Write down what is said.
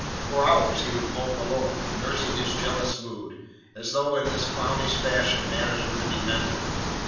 For hours he would mope alone, nursing his jealous mood, as though in this clownish fashion matters were to be mended.